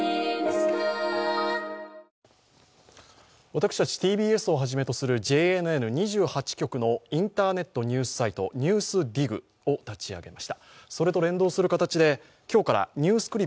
私たちＴＢＳをはじめとするＪＮＮ２８局をインターネットニュースサイト「ＮＥＷＳＤＩＧ」を立ち上げました。